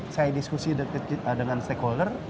saya diskusi dengan stakeholder